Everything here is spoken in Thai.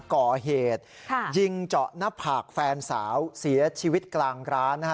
ก่อเหตุยิงเจาะหน้าผากแฟนสาวเสียชีวิตกลางร้านนะฮะ